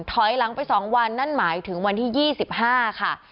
ถอยหลังไป๒วันนั่นหมายถึงวันที่๒๕ค่ะ